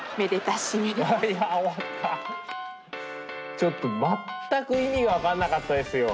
ちょっと全く意味が分かんなかったですよ。